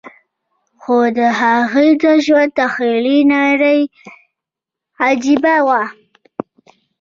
خو د هغه د ژوند تخيلي نړۍ عجيبه وه.